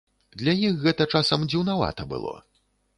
Для іх гэта часам дзіўнавата было.